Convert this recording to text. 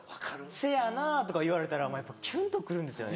「せやな」とか言われたらやっぱキュンと来るんですよね。